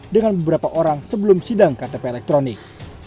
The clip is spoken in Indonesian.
dengan beberapa orang sebelum sidang ktp elektronik